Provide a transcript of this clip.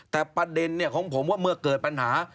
แต่ประเด็นของผมว่าเมื่อเกิดปัญหา